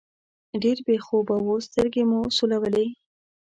ډېر بې خوبه وو، سترګې مو سولولې.